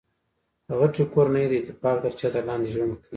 غټۍ کورنۍ د اتفاق تر چتر لاندي ژوند کیي.